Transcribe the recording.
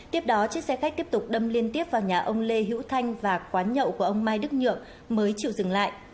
tiếp đó chiếc xe khách tiếp tục đâm liên tiếp vào nhà ông lê hữu thanh và quán nhậu của ông mai đức nhựa mới chịu dừng lại